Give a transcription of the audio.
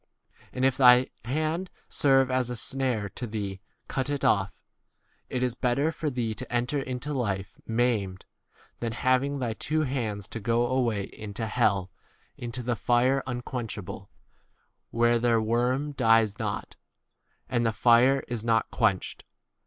43 And if thy hand serve as a snare to thee, cut it off : it is better for thee to enter into life maimed, than having [thy] two hands to go away into hell, w into the fire un 44 quenchable ; where their worm dies not, and the fire is not 45 quenched.